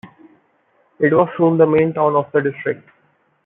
It was soon the main town of the district.